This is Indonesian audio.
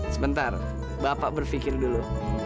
sebentar bapak berfikir dulu